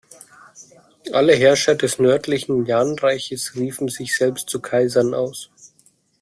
Alle Herrscher des Nördlichen Yan-Reiches riefen sich selbst zu „Kaisern“ aus.